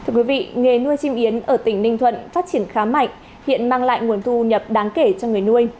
nghề nuôi chim yến ở tỉnh ninh thuận phát triển khá mạnh hiện mang lại nguồn thu nhập đáng kể cho người nuôi